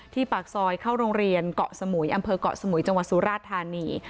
ปากซอยเข้าโรงเรียนเกาะสมุยอำเภอกเกาะสมุยจังหวัดสุราธานี